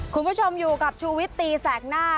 คุณผู้ชมอยู่กับชูวิตตีแสกหน้า